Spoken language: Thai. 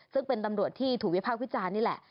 ซึ่งเป็นตำรวจที่ถูกวิพากษ์วิจารณ์นี่แหละ